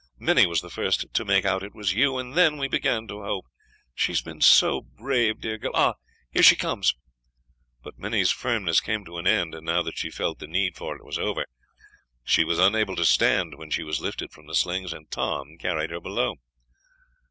Minnie was the first to make out it was you, and then we began to hope. She has been so brave, dear girl. Ah! here she comes." But Minnie's firmness came to an end now that she felt the need for it was over. She was unable to stand when she was lifted from the slings, and Tom carried her below.